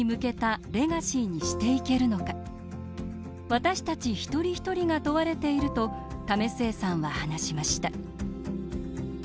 私たち一人一人が問われていると為末さんは話しました